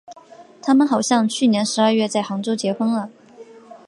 他们好像去年十二月在杭州结婚了。